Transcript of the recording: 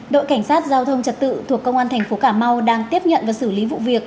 đội cảnh sát giao thông trật tự thuộc công an thành phố cà mau đang tiếp nhận và xử lý vụ việc